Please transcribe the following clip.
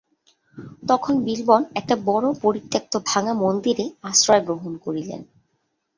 তখন বিল্বন একটা বড়ো পরিত্যক্ত ভাঙা মন্দিরে আশ্রয় গ্রহণ করিলেন।